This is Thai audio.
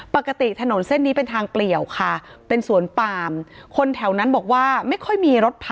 ปกติถนนเส้นนี้เป็นทางเปลี่ยวค่ะเป็นสวนปาม